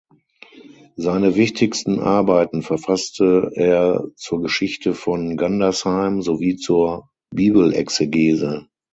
Seine wichtigsten Arbeiten verfasste er zur Geschichte von Gandersheim sowie zur Bibelexegese.